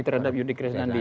terhadap yudhik rizwan didi